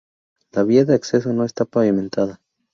La vía de acceso no está pavimentada.